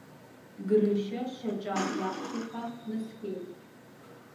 Грышьа шьаҿак иаԥхьаҟа днаскьеит.